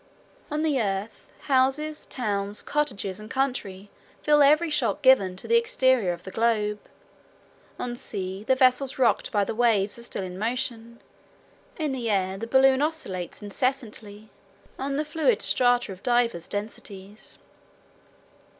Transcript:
On the earth, houses, towns, cottages, and country feel every shock given to the exterior of the globe. On sea, the vessels rocked by the waves are still in motion; in the air, the balloon oscillates incessantly on the fluid strata of divers densities.